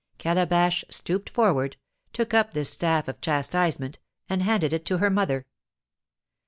Calabash stooped forward, took up this staff of chastisement, and handed it to her mother.